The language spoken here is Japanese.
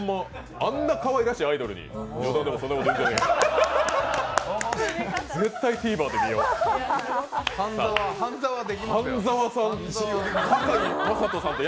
あんなかわいらしいアイドルにあんなこと言うなんて。